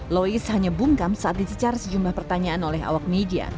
lois hanya bungkam saat dicecar sejumlah pertanyaan oleh awak media